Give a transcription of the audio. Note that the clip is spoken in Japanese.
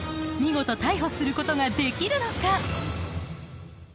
［見事逮捕することができるのか⁉］